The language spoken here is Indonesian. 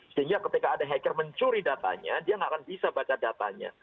sehingga ketika ada hacker mencuri datanya dia nggak akan bisa baca datanya